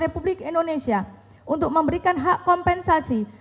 republik indonesia untuk memberikan hak kompensasi